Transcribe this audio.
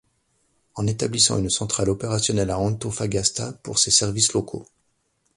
En établissant une centrale opérationnelle à Antofagasta pour ses services locaux.